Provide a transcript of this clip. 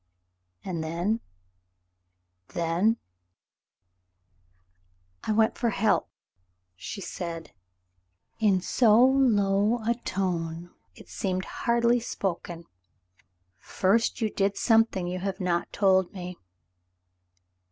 "And then — then— " "I went for help," she said, in so Iowa tone it seemed hardly spoken. "First you did something you have not told me."